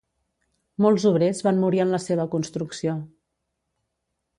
Molts obrers van morir en la seva construcció.